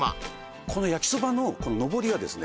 この焼きそばのこののぼりはですね